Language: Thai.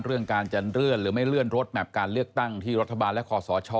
เรื่องการจะเลื่อนหรือไม่เลื่อนรถแมพการเลือกตั้งที่รัฐบาลและคอสช